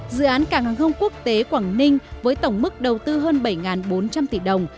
dự án cảng hàng không quốc tế quảng ninh với tổng mức đầu tư hơn bảy bốn trăm linh tỷ đồng